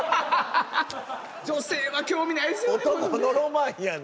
女性は興味ないですよね。